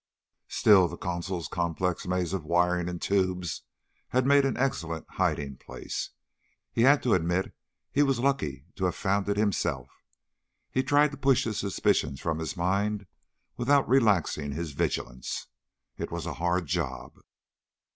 Still, the console's complex maze of wiring and tubes had made an excellent hiding place. He had to admit he was lucky to have found it himself. He tried to push his suspicions from his mind without relaxing his vigilance. It was a hard job.